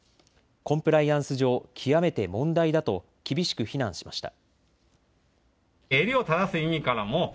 コンプライアンス上、極めて問題だと厳しく非難しました。